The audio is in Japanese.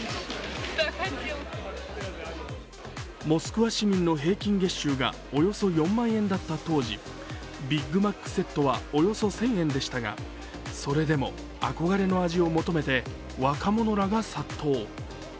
モスクワ市民の平均月収がおよそ４万円だった当時、ビッグマックセットは、およそ１０００円でしたがそれでも憧れの味を求めて若者らが殺到。